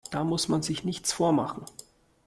Da muss man sich nichts vormachen.